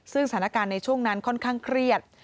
ซึ่งสถานการณ์ในช่วงนั้นค่อนข้างเครียด